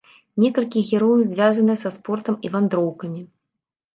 Некалькі герояў звязаныя са спортам і вандроўкамі.